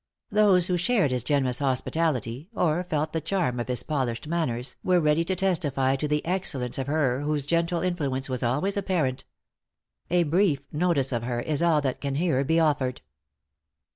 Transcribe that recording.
Those who shared his generous hospitality, or felt the charm of his polished manners, were ready to testify to the excellence of her whose gentle influence was always apparent. A brief notice of her is all that can here be offered.